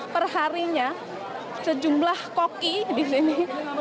perharinya sejumlah koki di sini